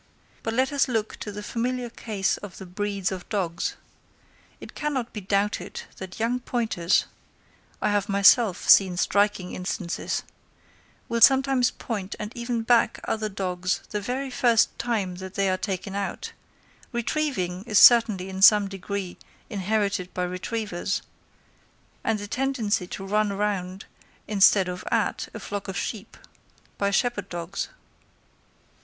But let us look to the familiar case of the breeds of dogs: it cannot be doubted that young pointers (I have myself seen striking instances) will sometimes point and even back other dogs the very first time that they are taken out; retrieving is certainly in some degree inherited by retrievers; and a tendency to run round, instead of at, a flock of sheep, by shepherd dogs.